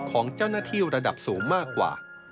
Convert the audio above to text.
ของเจ้าหน้าที่ระดับสูงมากกว่า